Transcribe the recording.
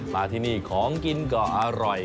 มาที่นี่ของกินก็อร่อย